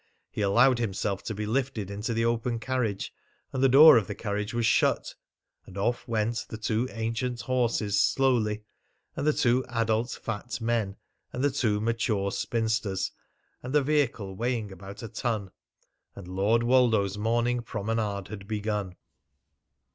He allowed himself to be lifted into the open carriage, and the door of the carriage was shut; and off went the two ancient horses, slowly, and the two adult fat men and the two mature spinsters, and the vehicle weighing about a ton; and Lord Woldo's morning promenade had begun.